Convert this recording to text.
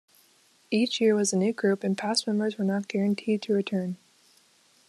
Each year was a new group and past members were not guaranteed to return.